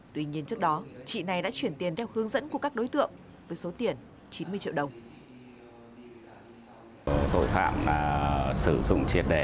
tuy nhiên trước đó chị này đã chuyển tiền theo hướng dẫn của các đối tượng với số tiền chín mươi triệu đồng